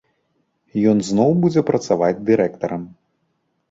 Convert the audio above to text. Ён зноў будзе працаваць дырэктарам.